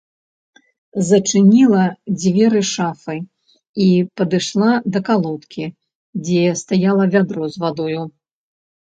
Зачыніла дзверы шафы і падышла да калодкі, дзе стаяла вядро з вадою.